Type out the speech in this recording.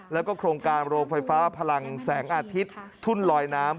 แล้วก็โครงการโรงไฟฟ้าพลังแสงอาทิตย์ทุ่นลอยน้ำ